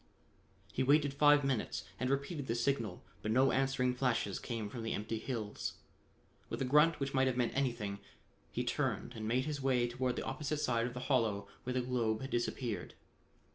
He waited five minutes and repeated the signal, but no answering flashes came from the empty hills. With a grunt which might have meant anything, he turned and made his way toward the opposite side of the hollow where the globe had disappeared.